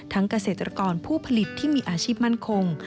เกษตรกรผู้ผลิตที่มีอาชีพมั่นคง